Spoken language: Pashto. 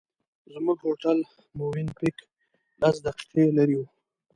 زموږ هوټل مووېن پېک لس دقیقې لرې و.